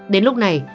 đến lúc này